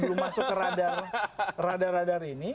belum masuk ke radar radar ini yang juga yang masih berada di sini